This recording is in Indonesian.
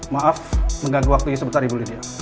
maaf mengganggu waktu sebentar ibu lydia